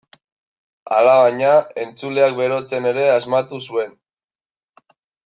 Alabaina, entzuleak berotzen ere asmatu zuen.